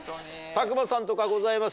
たくまさんとかございます？